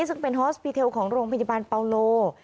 ซึ่งเป็นฮอสปีเทลของโรงพยาบาลเปาโล